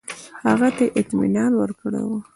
هغه ته یې اطمینان ورکړی وو.